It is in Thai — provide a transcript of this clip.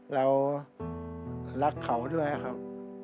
เรารักเขาด้วยครับ